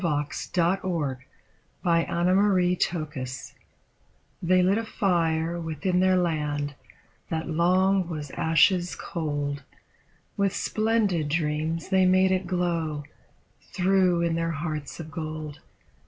THE SAD YEARS THE SACRED FIRE THEY lit a fire within their land that long was ashes cold, With splendid dreams they made it glow, threw in their hearts of gold.